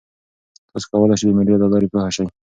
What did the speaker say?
تاسي کولای شئ د میډیا له لارې پوهه شئ.